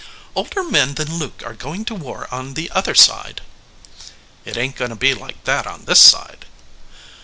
"Older men than Luke are going to war on the other side." "It ain t going to be like that on this side."